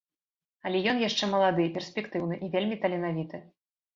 Але ён яшчэ малады, перспектыўны і вельмі таленавіты.